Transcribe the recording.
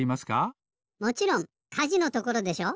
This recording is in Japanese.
もちろんかじのところでしょ？